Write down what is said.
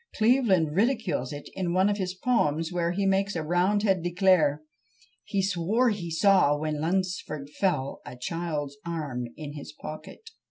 Cleveland ridicules it in one of his poems, where he makes a Roundhead declare "He swore he saw, when Lunsford fell, A child's arm in his pocket."